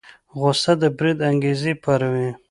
غوسه د بريد انګېزه پاروي.